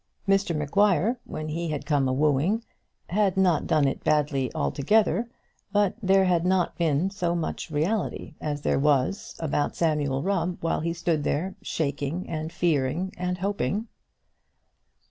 Mr Maguire, when he had come a wooing, had not done it badly altogether, but there had not been so much reality as there was about Sam Rubb while he stood there shaking, and fearing, and hoping.